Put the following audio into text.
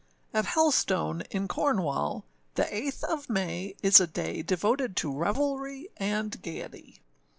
[AT Helstone, in Cornwall, the 8th of May is a day devoted to revelry and gaiety.